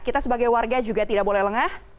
kita sebagai warga juga tidak boleh lengah